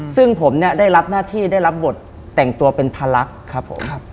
ซึ่งผมเนี่ยได้รับหน้าที่ได้รับบทแต่งตัวเป็นพลักษณ์ครับผม